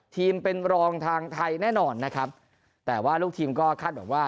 ทีมเป็นรองทางไทยแน่นอนนะครับแต่ว่าลูกทีมก็คาดหวังว่า